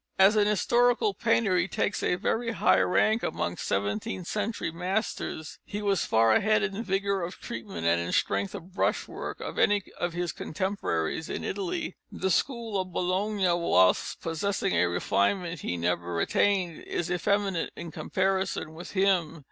As an historical painter he takes a very high rank amongst seventeenth century masters; he was far ahead in vigour of treatment and in strength of brushwork of any of his contemporaries in Italy. The school of Bologna, whilst possessing a refinement he never attained, is effeminate in comparison with him.